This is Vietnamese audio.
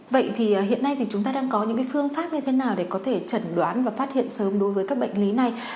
vậy thì hiện nay thì chúng ta đang có những phương pháp như thế nào để có thể chẩn đoán và phát hiện sớm đối với các bệnh lý này